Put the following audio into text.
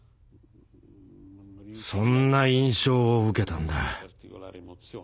そんな印象を受けたんだ。